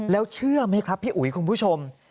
แล้วเชื่อไหมครับพี่อุ๋ยคุณผู้ชม